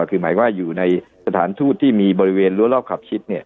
คือหมายว่าอยู่ที่สถานทุทธิ์มีโบริเวณร้วมขับคลับชิด